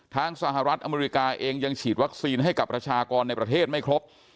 สหรัฐอเมริกาเองยังฉีดวัคซีนให้กับประชากรในประเทศไม่ครบ